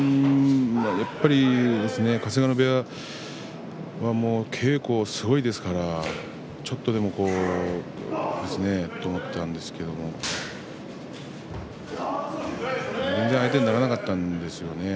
やっぱり春日野部屋は稽古がすごいですからちょっとでもと思ったんですけど全然、相手にならなかったんですよね